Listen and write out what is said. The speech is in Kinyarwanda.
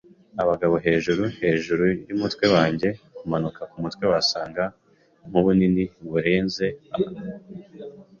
abagabo hejuru, hejuru yumutwe wanjye, kumanika kumutwe wasaga nkubunini burenze a